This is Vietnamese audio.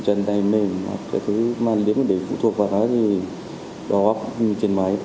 cái này mềm cái thứ mà liếm để phụ thuộc vào đó thì đó cũng như trên máy